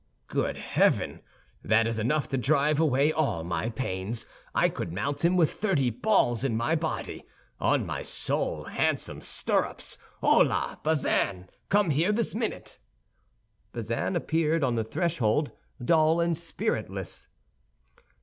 "Good heaven! That is enough to drive away all my pains; I could mount him with thirty balls in my body. On my soul, handsome stirrups! Holà, Bazin, come here this minute." Bazin appeared on the threshold, dull and spiritless.